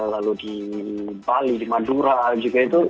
lalu di bali di madura juga itu